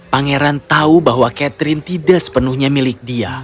pangeran tahu bahwa catherine tidak sepenuhnya milik dia